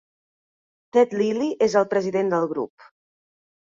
Ted Lillie és el president del grup.